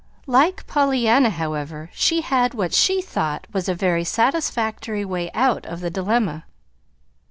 Like Pollyanna, however, she had what she thought was a very satisfactory way out of the dilemma.